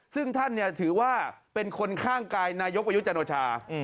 ซึ่งท่านถือว่าเป็นคนข้างกายนายกประยุทธ์จันโอชา